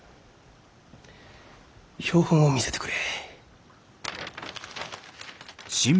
標本を見せてくれ。